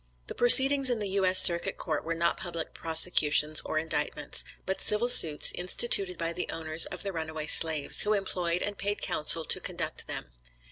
The proceedings in the U.S. Circuit Court were not public prosecutions or indictments, but civil suits instituted by the owners of the runaway slaves, who employed and paid counsel to conduct them.